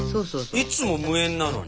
いつも無塩なのに。